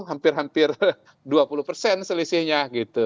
hampir hampir dua puluh persen selisihnya gitu